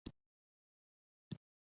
عاقل د خبرو سره عقل کاروي.